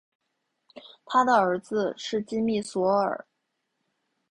他的儿子是金密索尔。